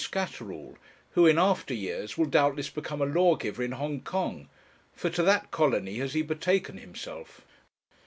Scatterall, who, in after years, will doubtless become a lawgiver in Hong Kong; for to that colony has he betaken himself.